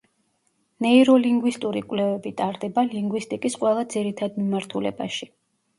ნეიროლინგვისტური კვლევები ტარდება ლინგვისტიკის ყველა ძირითად მიმართულებაში.